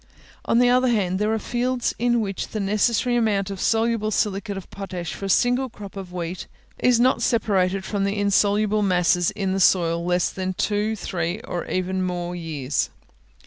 On the other hand, there are fields in which the necessary amount of soluble silicate of potash for a single crop of wheat is not separated from the insoluble masses in the soil in less than two, three, or even more years.